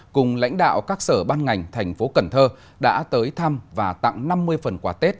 cùng lãnh đạo các sở ban ngành thành phố cần thơ đã tới thăm và tặng năm mươi phần quà tết